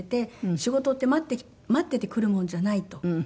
仕事って待っていて来るもんじゃないと。